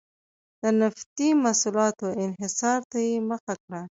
د نفتي محصولاتو انحصار ته یې مخه کړه.